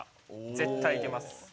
絶対いけます。